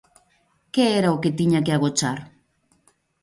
Que era o que tiña que agochar?